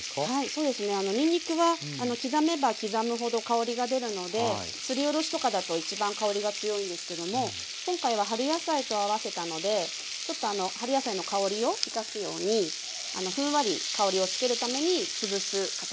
にんにくは刻めば刻むほど香りが出るのですりおろしとかだと一番香りが強いですけども今回は春野菜と合わせたのでちょっと春野菜の香りを生かすようにふんわり香りを付けるために潰す形にしました。